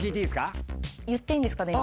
言っていいんですかね？